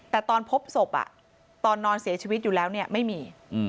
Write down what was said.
แต่ตอนพบศพตอนนอนเสียชีวิตอยู่แล้วไม่มี